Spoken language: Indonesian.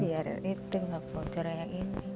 biar tidak kebocoran